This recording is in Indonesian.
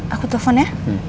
aku telepon ya